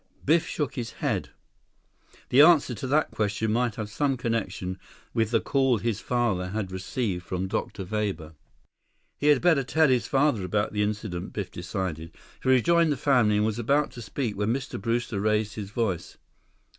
Biff shook his head. The answer to that question might have some connection with the call his father had received from Dr. Weber. He had better tell his father about the incident, Biff decided. He rejoined the family and was about to speak when Mr. Brewster raised his voice.